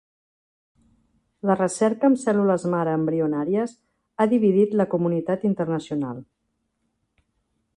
La recerca amb cèl·lules mare embrionàries ha dividit la comunitat internacional.